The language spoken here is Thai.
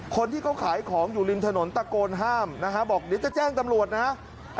คนที่เขาขายของอยู่ริมถนนตะโกนห้ามนะฮะบอกเดี๋ยวจะแจ้งตำรวจนะฮะ